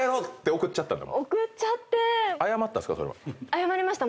謝りました